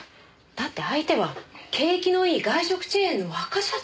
だって相手は景気のいい外食チェーンの若社長です。